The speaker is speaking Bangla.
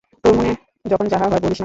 তাের মনে যখন যাহা হয়, বলিস না কেন?